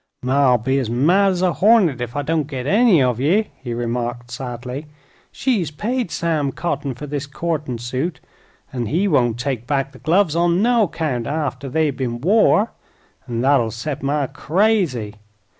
"Ma'll be mad as a hornet ef I don't get any of ye," he remarked, sadly. "She's paid Sam Cotting fer this courtin' suit, an' he won't take back the gloves on no 'count arter they've been wore; an' thet'll set ma crazy.